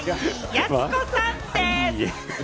やす子さんでぃす！